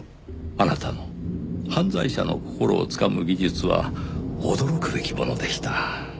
あなたの犯罪者の心をつかむ技術は驚くべきものでした。